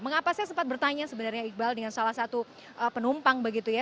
mengapa saya sempat bertanya sebenarnya iqbal dengan salah satu penumpang begitu ya